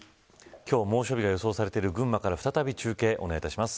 今日、猛暑日が予想されている群馬から再び中継をお願いします。